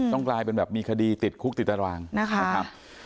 กลายเป็นแบบมีคดีติดคุกติดตารางนะครับ